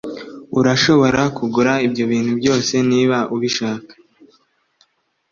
Urashobora kugura ibyo bintu byose niba ubishaka rwose